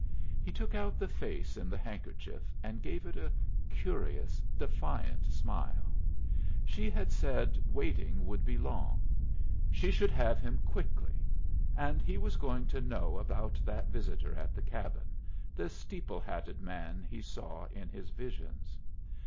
He took out the face in the handkerchief, and gave it a curious, defiant smile. She had said waiting would be long. She should have him quickly. And he was going to know about that visitor at the cabin, the steeple hatted man he saw in his visions.